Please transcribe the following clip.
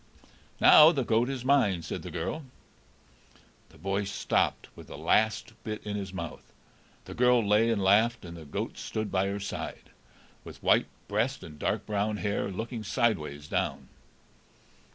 "Now the goat is mine," said the girl. The boy stopped with the last bit in his mouth, the girl lay and laughed, and the goat stood by her side, with white breast and dark brown hair, looking sideways down.